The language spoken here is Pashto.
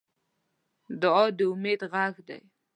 دعا د امید غږ دی.